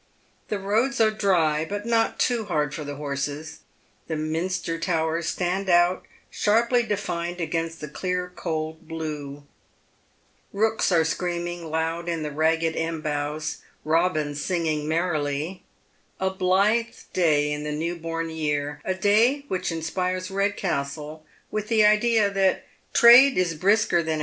The roads are dry, but not too hard for the liorses ; the nrinster towers stand out, sharply defined against the clear cold blue ; rooks are screaming loud in the ragged elm boughs ; robins singing merrily ; a blithe day in the new bom year, a day which inspires Bedcastle with the idea that trade is brisker than At the Hov).